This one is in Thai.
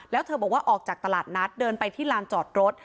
แล้วเธอบอกว่าออกจากตลาดนัดเดินไปที่ลานจอดรถ